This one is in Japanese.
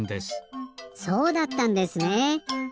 そうだったんですねえ。